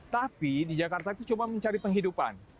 tapi di jakarta itu cuma mencari penghidupan